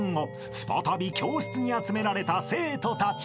［再び教室に集められた生徒たち］